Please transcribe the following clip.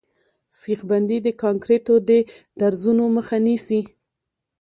سیخ بندي د کانکریټو د درزونو مخه نیسي